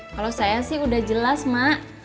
kalau saya sih udah jelas mak